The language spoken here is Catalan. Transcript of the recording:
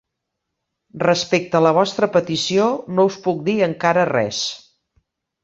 Respecte a la vostra petició, no us puc dir encara res.